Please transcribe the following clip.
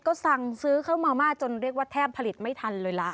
ก็สั่งซื้อเข้ามาม่าจนเรียกว่าแทบผลิตไม่ทันเลยล่ะ